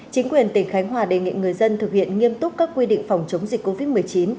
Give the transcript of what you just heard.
chính quyền tỉnh khánh hòa đề nghị người dân thực hiện nghiêm túc các quy định phòng chống dịch covid một mươi chín